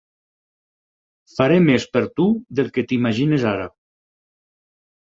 Faré més per tu del que t'imagines ara.